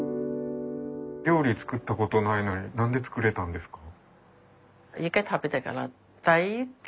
料理作ったことないのに何で作れたんですか？